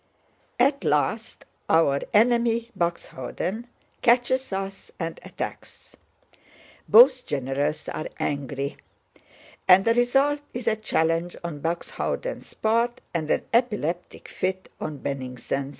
At last our enemy, Buxhöwden, catches us and attacks. Both generals are angry, and the result is a challenge on Buxhöwden's part and an epileptic fit on Bennigsen's.